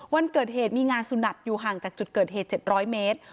วันเกิดเหตุมีงานสุนัทอยู่ห่างจากจุดเกิดเหตุ๗๐๐เมตร